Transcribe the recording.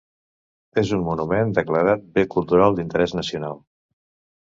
És un monument declarat bé cultural d'interès nacional.